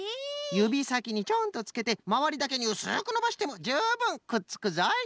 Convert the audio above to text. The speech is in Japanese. ゆびさきにちょんとつけてまわりだけにうすくのばしてもじゅうぶんくっつくぞい！